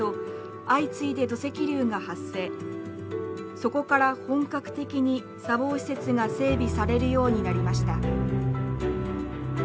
そこから本格的に砂防施設が整備されるようになりました。